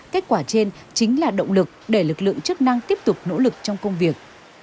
kết quả trên chính là động lực để lực lượng chức năng tiếp tục nỗ lực trong công việc